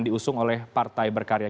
disusung oleh partai berkarya